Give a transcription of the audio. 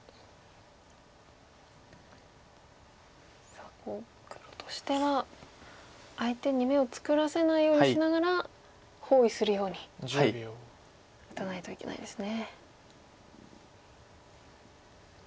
さあ黒としては相手に眼を作らせないようにしながら包囲するように打たないといけないんですね。